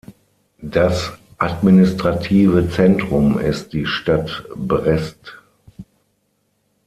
Das administrative Zentrum ist die Stadt Brest.